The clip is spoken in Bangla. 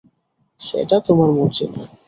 সেটা তোমার মর্জি না।